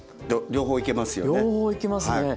両方いけますね。